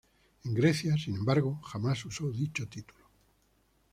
En Grecia, sin embargo, jamás usó dicho título.